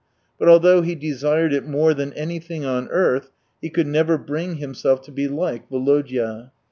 But, although he desired it " more than anything on earthy^ he could never bring himself to be like Volodya.